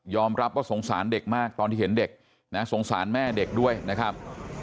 รับว่าสงสารเด็กมากตอนที่เห็นเด็กนะสงสารแม่เด็กด้วยนะครับ